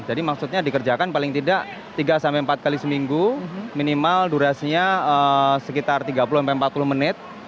jadi maksudnya dikerjakan paling tidak tiga empat kali seminggu minimal durasinya sekitar tiga puluh empat puluh menit